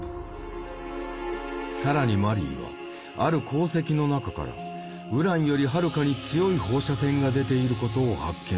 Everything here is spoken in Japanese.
更にマリーはある鉱石の中からウランよりはるかに強い放射線が出ていることを発見する。